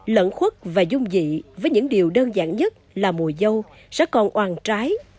lẫn khuất và dung dị với những điều đơn giản nhất là mùa dâu sẽ còn oàn trái